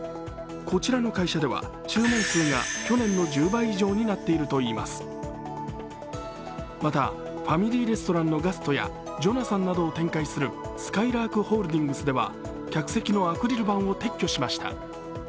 こちらの会社では注文数が去年の１０倍以上になっているといいますまた、ファミリーレストランのガストやジョナサンなどを展開するすかいらーくホールディングスでは客席のアクリル板を撤去しました。